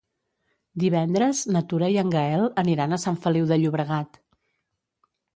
Divendres na Tura i en Gaël aniran a Sant Feliu de Llobregat.